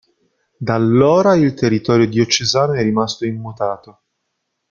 Da allora il territorio diocesano è rimasto immutato.